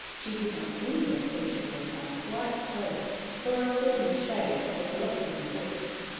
She did not see me until she had come quite close, for I stood in the shade of a blossoming bush.